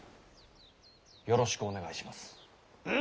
よろしくお願いします！